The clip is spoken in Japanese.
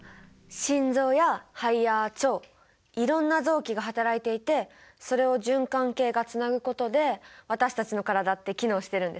心臓や肺や腸いろんな臓器がはたらいていてそれを循環系がつなぐことで私たちの体って機能してるんですね。